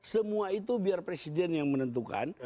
semua itu biar presiden yang menentukan